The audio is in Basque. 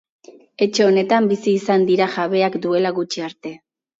Etxe honetan bizi izan dira jabeak duela gutxi arte.